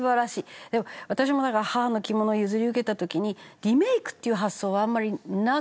でも私も母の着物を譲り受けた時にリメイクっていう発想はあんまり。